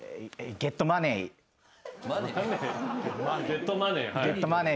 ゲットマネー。